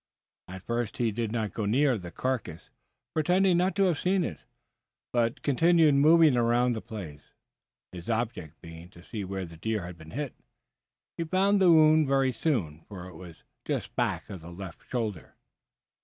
At first he did not go near to the carcass, pretending not to have seen it, but continued moving around the place, his object being to see where the deer had been hit. He found the wound very soon, for it was just back of the left shoulder.